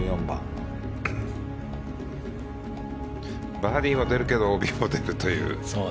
バーディーは出るけどＯＢも出るという。